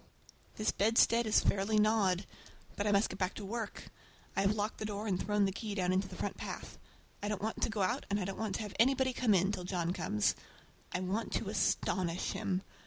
This bedstead is fairly gnawed! But I must get to work. I have locked the door and thrown the key down into the front path. I don't want to go out, and I don't want to have anybody come in, till John comes. I want to astonish him.